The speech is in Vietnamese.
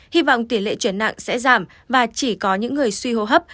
hy vọng tỷ lệ chuyển nặng sẽ giảm và chỉ có những người suy hô hấp